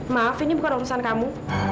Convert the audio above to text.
maaf ini bukan urusan kamu